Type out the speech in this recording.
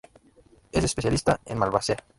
Es especialista en Malvaceae.